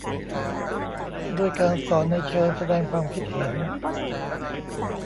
ด้วยการสอนในเชิงแสดงความคิดเห็น